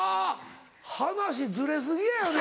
話ずれ過ぎやよね。